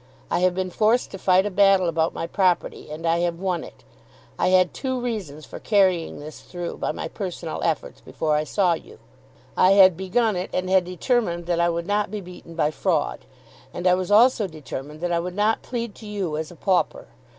I have been forced to fight a battle about my property, and I have won it. I had two reasons for carrying this through by my personal efforts before I saw you. I had begun it and had determined that I would not be beaten by fraud. And I was also determined that I would not plead to you as a pauper.